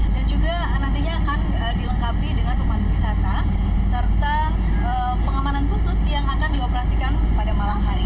dan juga nantinya akan dilengkapi dengan pemandu wisata serta pengamanan khusus yang akan dioperasikan pada malam hari